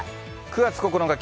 ９月９日